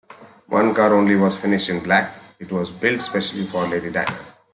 One car only was finished in black; it was built especially for Lady Diana.